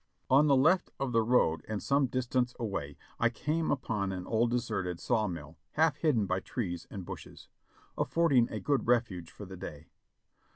On the left of the road, and some distance away, I came across an old deserted saw mill half hidden by trees and bushes, afford ing a good refuge for the day.